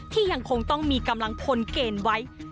ยังคงต้องมีกำลังพลเกณฑ์ไว้